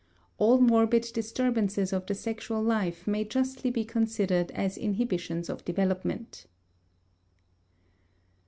All morbid disturbances of the sexual life may justly be considered as inhibitions of development.